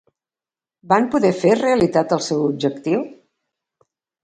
Van poder fer realitat el seu objectiu?